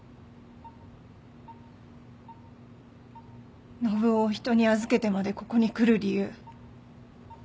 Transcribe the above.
信男を人に預けてまでここに来る理由ないと思う。